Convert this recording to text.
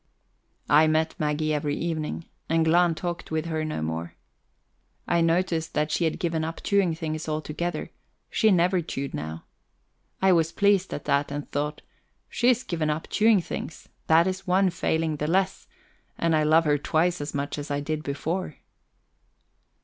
I met Maggie every evening, and Glahn talked with her no more. I noticed that she had given up chewing things altogether; she never chewed now. I was pleased at that, and thought: She's given up chewing things; that is one failing the less, and I love her twice as much as I did before!